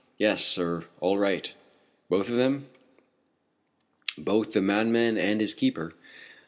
"Yes, sir, all right!" "Both of them?" "Both the madman and his keeper."